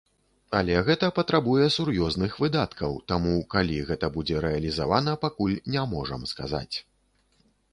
Але гэта патрабуе сур'ёзных выдаткаў, таму калі гэта будзе рэалізавана, пакуль не можам сказаць.